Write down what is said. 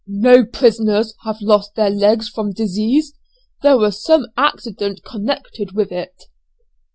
"No prisoners have lost their legs from disease; there was some accident connected with it."